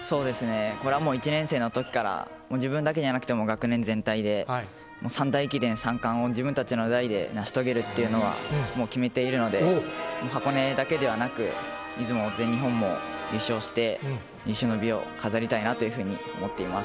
これはもう１年生のときから自分だけじゃなくて学年全体で三大駅伝３冠を自分たちの代で成し遂げるというのはもう決めているので、箱根だけではなく、出雲、全日本も優勝して、有終の美を飾りたいなっていうふうに。